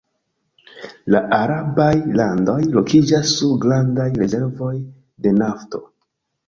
La arabaj landoj lokiĝas sur grandaj rezervoj de nafto.